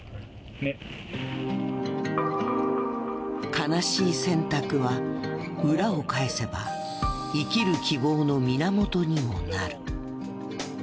悲しい選択は裏を返せば生きる希望の源にもなる。